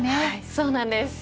そうなんです。